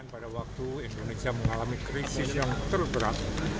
pada waktu indonesia mengalami krisis yang terberat